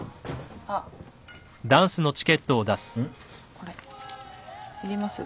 これいります？